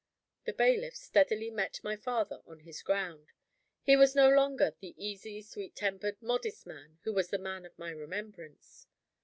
The bailiff steadily met my father on his ground. He was no longer the easy, sweet tempered, modest man who was the man of my remembrance.